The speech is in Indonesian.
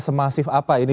semasif apa ini